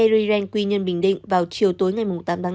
riren quy nhân bình định vào chiều tối ngày tám tháng năm